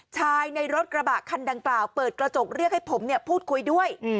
ในรถกระบะคันดังกล่าวเปิดกระจกเรียกให้ผมพูดคุยด้วย